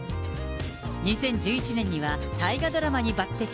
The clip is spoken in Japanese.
２０１１年には大河ドラマに抜てき。